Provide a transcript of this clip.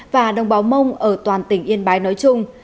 và đồng báo mông ở toàn tỉnh yên bái nói chung